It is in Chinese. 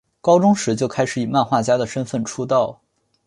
高中时就开始以漫画家的身份出道。